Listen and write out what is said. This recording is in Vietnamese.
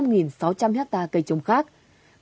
năm sáu trăm linh hecta cây trồng cây trồng